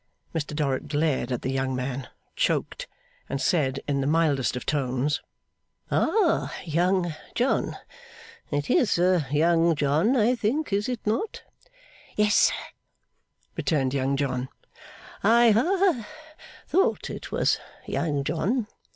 Mr Dorrit glared on the young man, choked, and said, in the mildest of tones, 'Ah! Young John! It is Young John, I think; is it not?' 'Yes, sir,' returned Young John. 'I ha thought it was Young John!